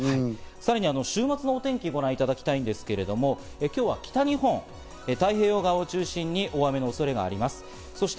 さらに週末のお天気をご覧いただきたいんですが、今日は北日本、太平洋側を中心に大雨の恐れがあります。